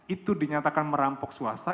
itu dinyatakan merampok swasta